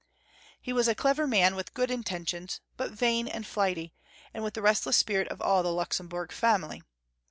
He was a clever man, with good intentions, but vain and flighty, and with the restless spirit of all the Luxemburg family.